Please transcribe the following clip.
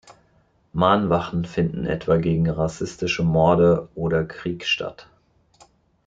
Mahnwachen finden etwa gegen rassistische Morde oder Krieg statt.